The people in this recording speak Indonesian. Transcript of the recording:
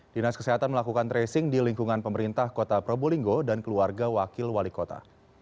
dinas kesehatan melakukan tracing di lingkungan pemerintah kota probolinggo dan keluarga wakil wali kota